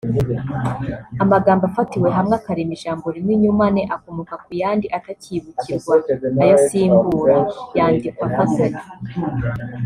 Amagambo afatiwe hamwe akarema ijambo rimwe (inyumane) akomoka ku yandi atakibukirwa ayo asimbura yandikwa afatanye